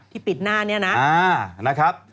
ปิดหน้านี้นะครับ